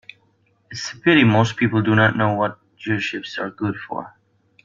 It's a pity most people do not know what gearshifts are good for.